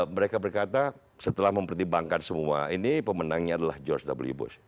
mereka berkata setelah mempertimbangkan semua ini pemenangnya adalah george w bush